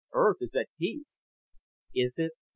Earth is at peace." "Is it?"